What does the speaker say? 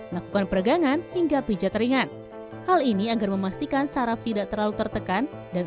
lakukan peregangan hingga pijat ringan hal ini agar memastikan saraf tidak terlalu tertekan dan